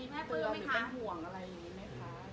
แม่มีหวังอะไรอย่างนี้มั้ยคะ